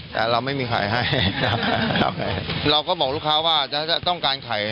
เดี๋ยวลองฟังค่ะ